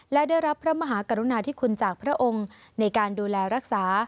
และได้รับพระมหากรุณาธิคุณจากพระองค์ในการดูแลรักษา